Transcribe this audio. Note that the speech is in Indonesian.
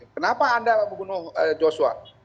kenapa anda membunuh joshua